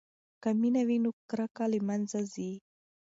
که مینه وي نو کرکه له منځه ځي.